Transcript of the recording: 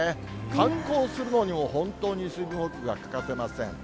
観光するのにも、本当に水分補給が欠かせません。